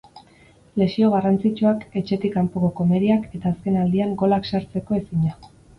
Lesio garrantzitsuak, etxetik kanpoko komeriak eta azken aldian golak sartzeko ezina.